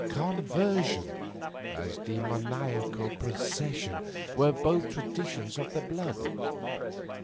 Conversion, as demoniacal possession, were both traditions of the blood.